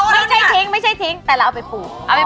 ไม่ไม่ใช่ทิ้งแต่เราเอาไปปลูก